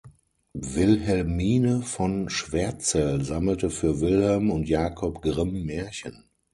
Wilhelmine von Schwertzell sammelte für Wilhelm und Jacob Grimm Märchen.